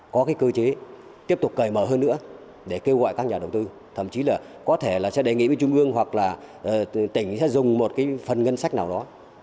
có cơ chế tiếp tục cởi mở hơn nữa để kêu gọi các nhà đồng tư thậm chí là có thể sẽ đề nghị với trung ương hoặc là tỉnh sẽ dùng một phần ngân sách nào đó